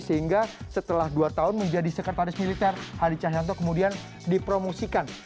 sehingga setelah dua tahun menjadi sekretaris militer hadi cahyanto kemudian dipromosikan